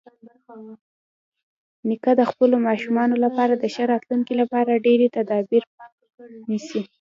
نیکه د خپلو ماشومانو لپاره د ښه راتلونکي لپاره ډېری تدابیر نیسي.